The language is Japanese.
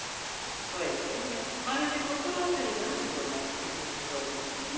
おやおやまるで心当たりがあるような口ぶりでござんすね。